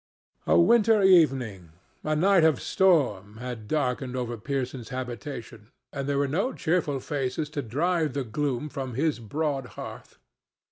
A winter evening, a night of storm, had darkened over Pearson's habitation, and there were no cheerful faces to drive the gloom from his broad hearth.